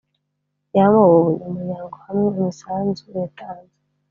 yambuwe ubunyamuryango hamwe imisanzu yatanze